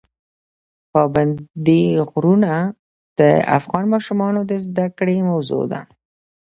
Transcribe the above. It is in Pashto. پابندي غرونه د افغان ماشومانو د زده کړې موضوع ده.